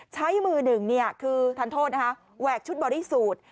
ใช้มือหนึ่งคือธันโทษแวะชุดบอรี่สูด